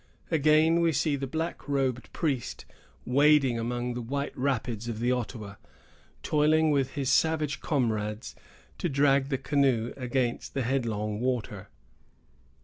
Again we see the black robed priest wading among the white rapids of the Ottawa, toiling with his savage comrades to drag the canoe against the headlong water.